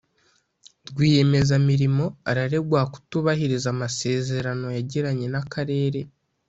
Rwiyemezamirimo araregwa kutubahiriza amasezerano yagiranye n’akarere